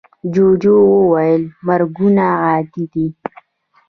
جوجو وویل مرگونه عادي دي.